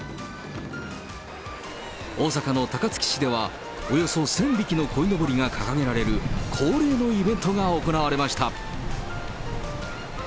大阪の高槻市では、およそ１０００匹のこいのぼりが掲げられる恒例のイベントが行われました。